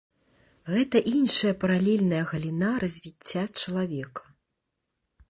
Гэта іншая паралельная галіна развіцця чалавека.